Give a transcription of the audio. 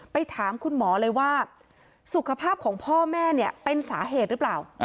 ไปถามคุณหมอเลยว่าสุขภาพของพ่อแม่เนี่ยเป็นสาเหตุหรือเปล่า